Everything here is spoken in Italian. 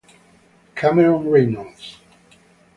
Cameron Reynolds